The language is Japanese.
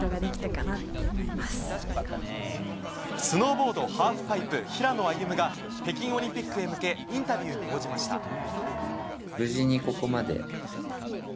スノーボード・ハーフパイプ平野歩夢が北京オリンピックへ向けインタビューに応じました。